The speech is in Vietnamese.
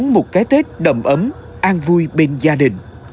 một cái tết đầm ấm an vui bên gia đình